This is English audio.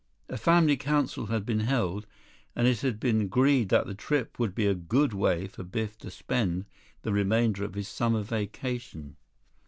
A family council had been held, and it had been agreed that the trip would be a good way for Biff to spend the remainder of his summer vacation.